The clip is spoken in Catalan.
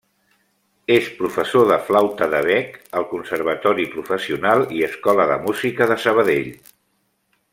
És professor de flauta de bec al Conservatori Professional i Escola de Música de Sabadell.